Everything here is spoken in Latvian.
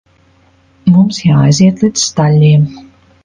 Mums jāaiziet līdz staļļiem.